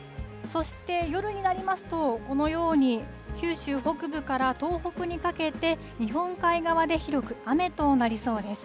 そして夜になりますと、このように九州北部から東北にかけて、日本海側で広く雨となりそうです。